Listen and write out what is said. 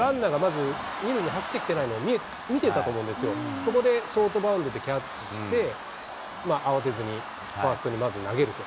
ランナーがまず２塁に走ってきていないのを見てたと思うんですよ、そこでショートバウンドでキャッチして、慌てずにファーストにまず投げると。